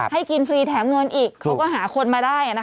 ให้กินฟรีแถมเงินอีกเขาก็หาคนมาได้